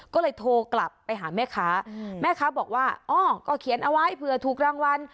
ก็เลยโทรกลับไปหาแม่ค้าแม่ค้าบอกว่าอ้อก็เขียนเอาไว้เผื่อถูกรางวัล